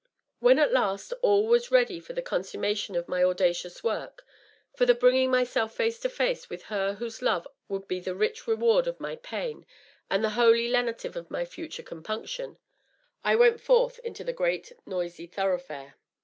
When at last all was ready for the consummation of my audacious work — for the bringing myself face to face with her whose love would be the rich reward of my pain and the holy lenitive of my future com punction — I went forth into the great noisy thoroughfare.